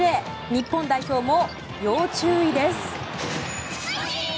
日本代表も要注意です。